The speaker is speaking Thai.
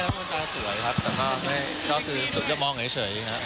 ใช่น้องคนหน้าสวยครับแต่เค้าคือแบบมองไงเฉย